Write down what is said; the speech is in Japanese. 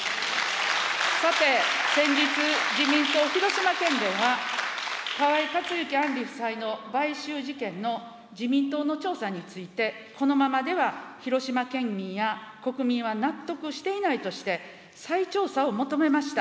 さて、先日、自民党広島県連は、河井克行・案里夫妻の買収事件の自民党の調査について、このままでは広島県民や国民は納得していないとして、再調査を求めました。